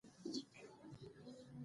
ګور د کبر مانا نه وه.